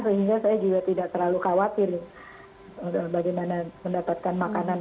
sehingga saya juga tidak terlalu khawatir bagaimana mendapatkan makanan